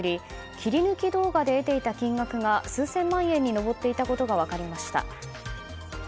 切り抜き動画で得ていた金額が数千万円に上っていたことが明らかになりました。